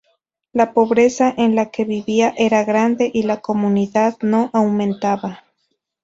La pobreza en la que vivían era grande y la comunidad no aumentaba.